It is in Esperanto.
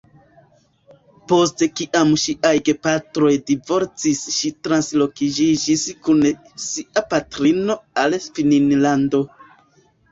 Post kiam ŝiaj gepatroj divorcis ŝi transloĝiĝis kun sia patrino al Finnlando.